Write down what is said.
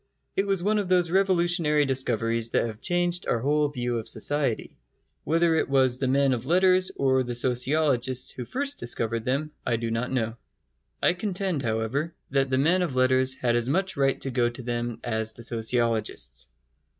It was one of those revolutionary discoveries that have changed our whole view of society. Whether it was the men of letters or the sociologists who first discovered them I do not know. I contend, however, that the men of letters had as much right to go to them as the sociologists.